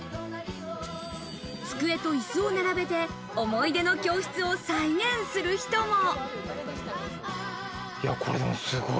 机と椅子を並べて、思い出の教室を再現する人も。